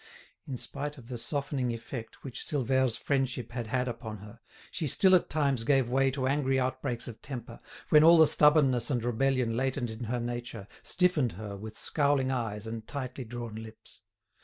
In spite of the softening effect which Silvère's friendship had had upon her, she still at times gave way to angry outbreaks of temper, when all the stubbornness and rebellion latent in her nature stiffened her with scowling eyes and tightly drawn lips.